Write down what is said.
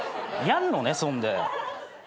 やんのねそんで。